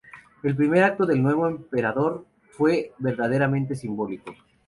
El primer acto del nuevo emperador fue verdaderamente simbólico.